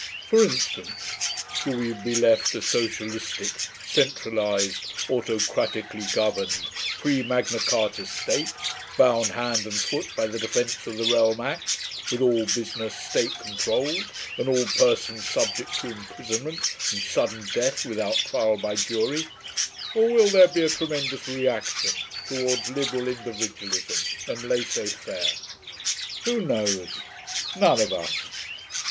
For instance, shall we be left a socialistic, centralised, autocratically governed, pre Magna Carta state, bound hand and foot by the Defence of the Realm Act, with all businesses state controlled and all persons subject to imprisonment and sudden death without trial by jury, or will there be a tremendous reaction towards liberal individualism and laissez faire? Who knows? None of us....